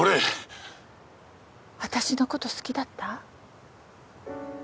私のこと好きだった？